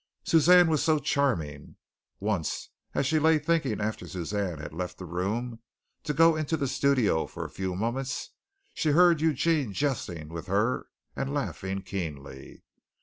Suzanne was so charming. Once as she lay thinking after Suzanne had left the room to go into the studio for a few moments, she heard Eugene jesting with her and laughing keenly.